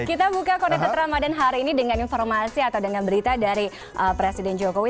kita buka connected ramadan hari ini dengan informasi atau dengan berita dari presiden jokowi